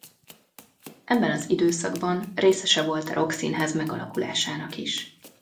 Ebben az időszakban részese volt a Rock Színház megalakulásának is.